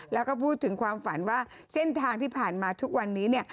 แล้วก็พูดถึงความฝันว่าเส้นทางที่ผ่านมาทุกวันนี้เนี่ย